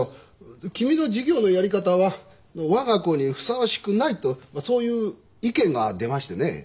君の授業のやり方は我が校にふさわしくないとそういう意見が出ましてね。